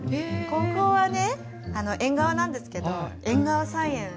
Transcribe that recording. ここはね縁側なんですけど縁側菜園。